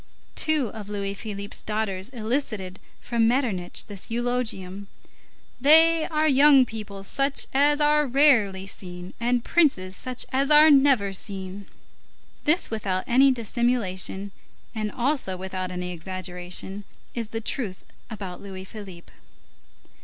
Two of Louis Philippe's daughters elicited from Metternich this eulogium: "They are young people such as are rarely seen, and princes such as are never seen." This, without any dissimulation, and also without any exaggeration, is the truth about Louis Philippe.